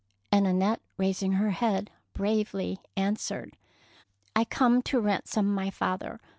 " and Annette, raising her head, bravely answered, —" I come to ransom my father.